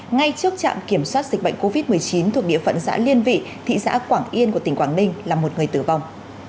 ngay trước trạm kiểm soát dịch bệnh covid một mươi chín thuộc địa phận xã liên vị thị xã quảng yên của tỉnh quảng ninh là một người tử vong